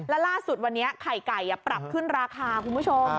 และล่าสุดวันนี้ไข่ไก่ปรับขึ้นราคาคุณผู้ชม